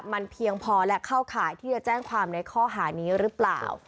มันเพียงพอและเข้าข่ายที่จะแจ้งความในข้อหานี้หรือเปล่า